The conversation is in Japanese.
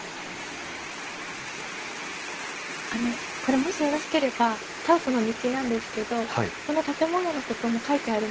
あのこれもしよろしければタウトの日記なんですけどこの建物のことも書いてあるので。